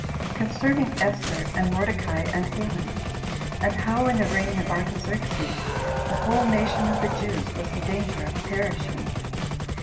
Concerning Esther And Mordecai And Haman; And How In The Reign Of Artaxerxes The Whole Nation Of The Jews Was In Danger Of Perishing.